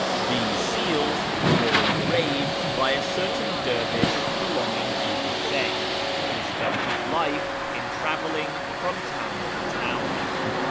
These seals were all engraved by a certain dervish belonging to the sect, who spent his life in travelling from town to town.